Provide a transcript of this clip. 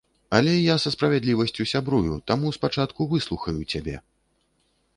Але я са справядлівасцю сябрую, таму спачатку выслухаю цябе.